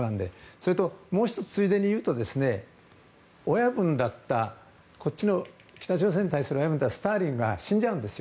それと、もう１つついでに言うと北朝鮮に対する親分だったスターリンが死んじゃうんですよ。